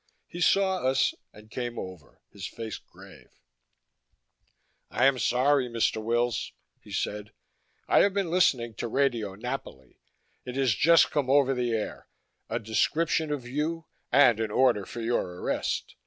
He saw us and came over, his face grave. "I am sorry, Mr. Wills," he said. "I have been listening to Radio Napoli. It has just come over the air: A description of you, and an order for your arrest.